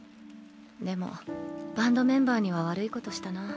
でもバンドメンバーには悪いことしたな。